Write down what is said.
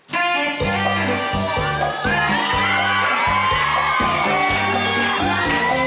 หนาง